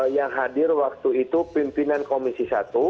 yang hadir waktu itu pimpinan komisi satu